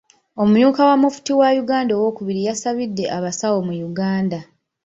Omumyuka wa Mufti wa Uganda owookubiri yasabidde abasawo mu Uganda.